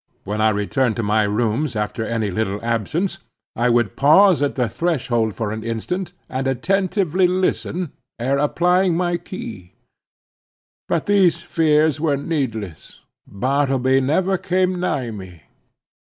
When I returned to my rooms after any little absence, I would pause at the threshold for an instant, and attentively listen, ere applying my key. But these fears were needless. Bartleby never came nigh me.